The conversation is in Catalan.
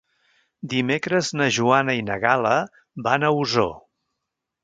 Dimecres na Joana i na Gal·la van a Osor.